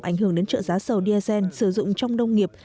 ảnh hưởng đến trợ giá sầu dsn sử dụng trong đông nghiệp